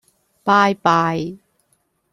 拜拜